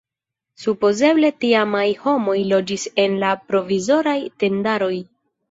Supozeble tiamaj homoj loĝis en la provizoraj tendaroj.